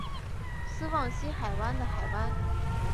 斯旺西海湾的海湾。